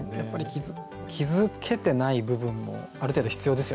気付けてない部分もある程度必要ですよね。